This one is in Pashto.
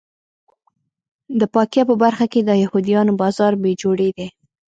د پاکۍ په برخه کې د یهودیانو بازار بې جوړې دی.